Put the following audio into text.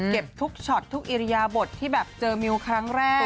ทุกช็อตทุกอิริยาบทที่แบบเจอมิวครั้งแรก